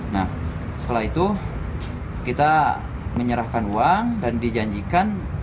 nah setelah itu kita menyerahkan uang dan dijanjikan